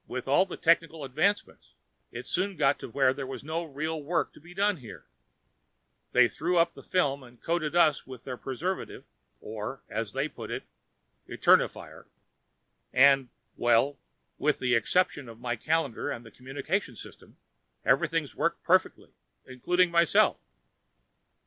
With all the technical advancements, it soon got to where there was no real work to be done here; they threw up the film and coated us with their preservative or, as they put it, Eternifier, and well, with the exception of my calendar and the communications system, everything's worked perfectly, including myself."